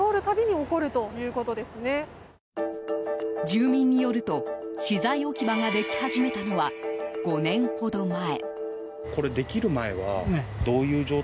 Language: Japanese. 住民によると資材置き場ができ始めたのは５年ほど前。